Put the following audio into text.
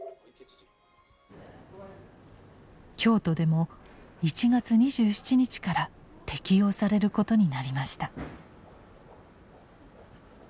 京都でも１月２７日から適用されることになりました。